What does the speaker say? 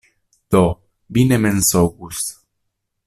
Do, vi ne mensogus.